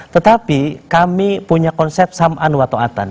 tetapi kami punya konsep sam an wa to atan